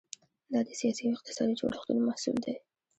دا د سیاسي او اقتصادي جوړښتونو محصول دی.